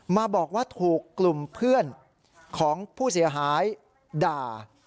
มาบอกว่าถูกกลุ่มเพื่อนของผู้เสียหายด่า